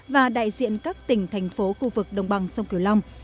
và đại diện các tỉnh thành phố khu vực đồng bằng sông kiều long